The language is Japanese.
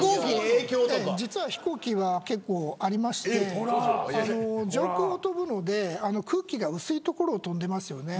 実は飛行機は結構ありまして上空を飛ぶので空気が薄い所を飛んでいますよね。